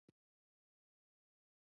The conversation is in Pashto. هلمند سیند د افغانستان د اقتصاد برخه ده.